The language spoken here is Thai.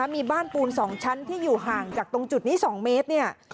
มีบ้านปูน๒ชั้นที่อยู่ห่างจากตรงจุดนี้๒เมตร